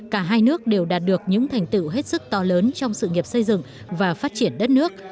cả hai nước đều đạt được những thành tựu hết sức to lớn trong sự nghiệp xây dựng và phát triển đất nước